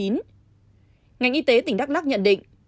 ngành y tế tỉnh đắk lắc nhận định